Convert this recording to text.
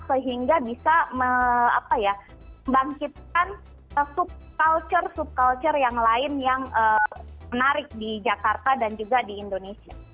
sehingga bisa membangkitkan sub kultur sub kultur yang lain yang menarik di jakarta dan juga di indonesia